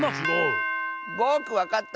ぼくわかった！